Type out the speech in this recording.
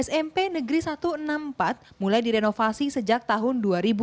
smp negeri satu ratus enam puluh empat mulai direnovasi sejak tahun dua ribu